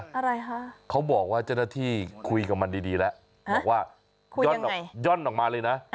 อะไรคะเขาบอกว่าเจ้าหน้าที่คุยกับมันดีแล้วบอกว่าย่อนออกมาเลยนะ